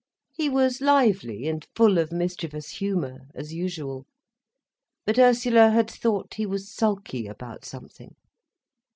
He was lively and full of mischievous humour, as usual. But Ursula had thought he was sulky about something.